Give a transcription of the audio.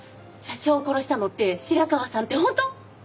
社長を殺したのって白川さんって本当？